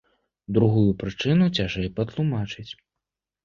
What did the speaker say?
Другую прычыну цяжэй патлумачыць.